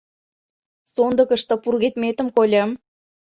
Сондыкышто пургедметым кольым.